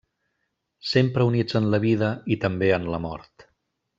Sempre units en la vida i també en la mort.